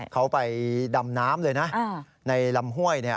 เขาไปดำน้ำเลยนะในลำห้วย